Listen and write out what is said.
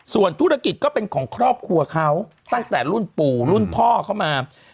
ส่วนธุรกิจก็เป็นของครอบครัวเขาตั้งแต่รุ่นปู่รุ่นพ่อเข้ามา